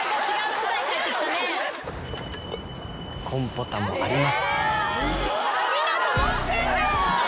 「コンポタもあります」